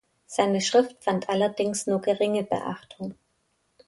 Seine Schrift fand allerdings nur geringe Beachtung.